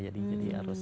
jadi jadi harus